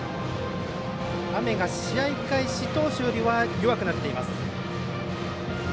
雨が試合開始当初よりは弱くなっています。